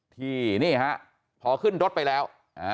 ที่นี่ฮะพอขึ้นรถไปแล้ว